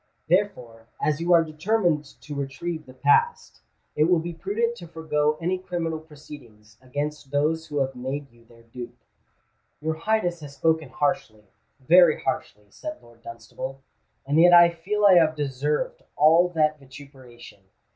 Therefore, as you are determined to retrieve the past, it will be prudent to forego any criminal proceedings against those who have made you their dupe." "Your Highness has spoken harshly—very harshly," said Lord Dunstable; "and yet I feel I have deserved all that vituperation.